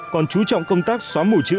còn chú trọng công tác xóa mùi chữ